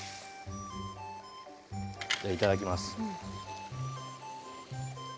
いただきます。